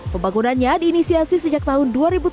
pembangunannya diinisiasi sejak tahun dua ribu tujuh belas